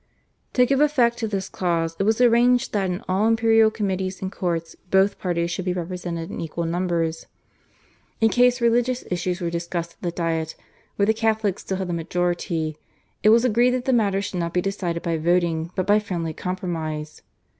To give effect to this clause it was arranged that in all imperial committees and courts both parties should be represented in equal numbers. In case religious issues were discussed at the Diet, where the Catholics still had the majority, it was agreed that the matter should not be decided by voting but by friendly compromise.